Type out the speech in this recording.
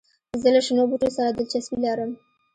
زه له شنو بوټو سره دلچسپي لرم.